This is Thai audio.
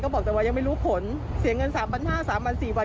เขาบอกแต่ว่ายังไม่รู้ผลเสียเงิน๓๕๐๐บาท๓๔๐๐บาท